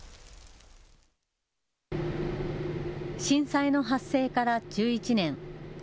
震災の発生から１１年。